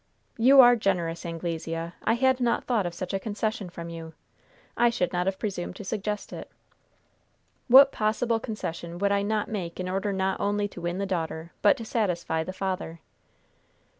"You are generous, Anglesea! I had not thought of such a concession from you. I should not have presumed to suggest it." "What possible concession would I not make in order not only to win the daughter, but to satisfy the father?"